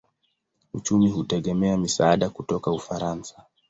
Uchumi hutegemea misaada kutoka Ufaransa.